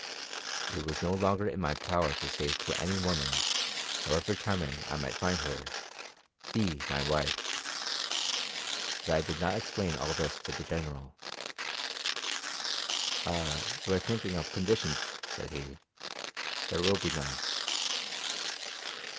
It was no longer in my power to say to any woman, however charming I might find her, "Be my wife." But I did not explain all this to the General. "Ah, you are thinking of conditions," said he; "there will be none."